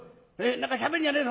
何かしゃべんじゃねえぞ。